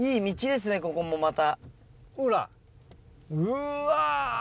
うわ！